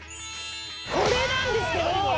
これなんですけど。